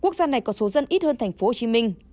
quốc gia này có số dân ít hơn tp hcm